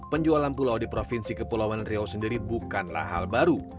penjualan pulau di provinsi kepulauan riau sendiri bukanlah hal baru